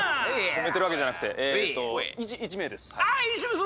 褒めてるわけじゃなくてえっと１名です。